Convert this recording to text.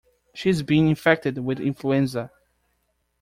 She is being infected with influenza.